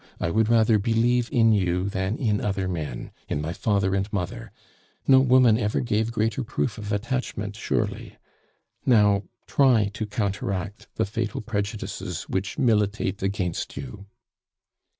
I would rather believe in you than in other men, in my father and mother no woman ever gave greater proof of attachment surely? Now, try to counteract the fatal prejudices which militate against you."